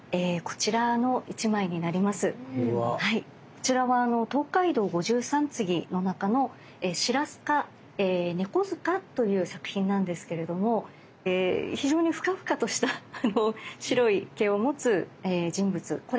こちらは「東海道五十三次」の中の「白須賀猫塚」という作品なんですけれども非常にふかふかとした白い毛を持つ人物。